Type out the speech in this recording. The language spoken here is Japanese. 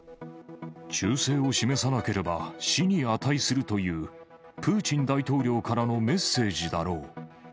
忠誠を示さなければ死に値するという、プーチン大統領からのメッセージだろう。